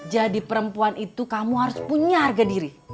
perempuan itu kamu harus punya harga diri